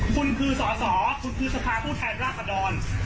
คุณคือสอสอคุณคือสภาพผู้แทนราชดร